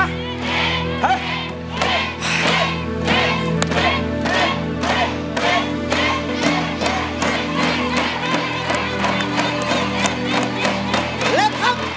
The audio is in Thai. เล่นครับ